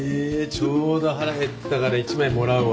ちょうど腹減ってたから１枚もらうわ。